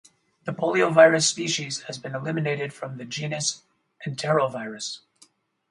The Poliovirus species has been eliminated from the genus Enterovirus.